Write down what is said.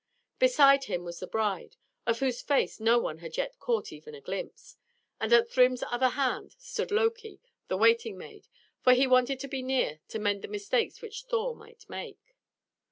Beside him was the bride, of whose face no one had yet caught even a glimpse; and at Thrym's other hand stood Loki, the waiting maid, for he wanted to be near to mend the mistakes which Thor might make.